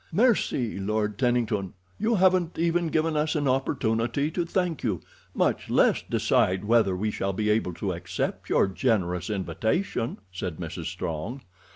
"Mercy, Lord Tennington, you haven't even given us an opportunity to thank you, much less decide whether we shall be able to accept your generous invitation," said Mrs. Strong.